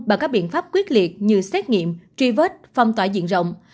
bằng các biện pháp quyết liệt như xét nghiệm truy vết phong tỏa diện rộng